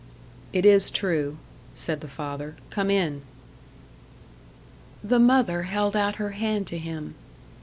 "It is true," said the father. "Come in." The mother held out her hand to him.